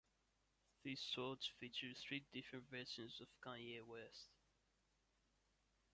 These shorts feature three different versions of Kanye West.